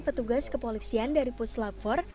petugas kepolisian dari puslapfor